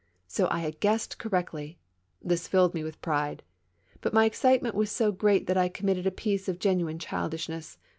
So I had guessed correctly. This filled me with pride. But my excitement was so great that I committed a piece of genuine childishness.